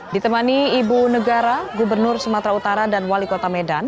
ditemani ibu negara gubernur sumatera utara dan wali kota medan